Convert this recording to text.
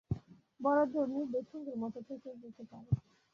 বড় জোড় নির্দোষ সঙ্গীর মত থেকে যেতে পারে।